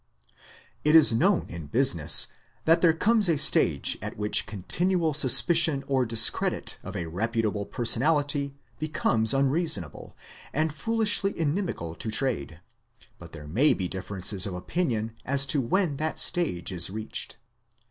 It is known in business that 588 The Outline of Science there comes a stage at which continual suspicion or discredit of a reputable personality becomes unreasonable, and foolishly in imical to trade: but there may be differences of opinion as to when that stage is reached.